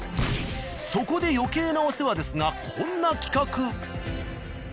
そこで余計なお世話ですがこんな企画。